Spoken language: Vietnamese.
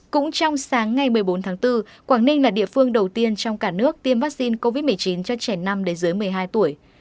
cũng trong sáng ngày một mươi bốn tháng bốn quảng ninh là địa phương đầu tiên trong cả nước tiêm vaccine covid một mươi chín cho trẻ năm đến dưới một mươi hai tuổi